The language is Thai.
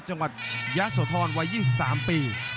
จังหวัดยะโสธรวัย๒๓ปี